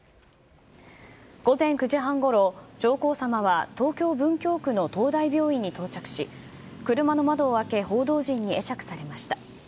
午前９時半ごろ、上皇さまは東京・文京区の東大病院に到着し、車の窓を開け、報道陣に会釈されました。